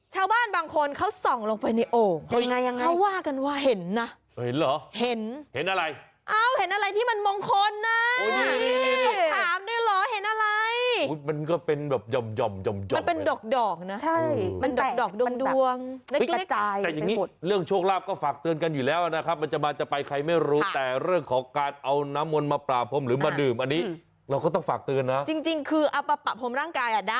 ชาวบ้านบางคนเขาส่องลงไปในโอ่ง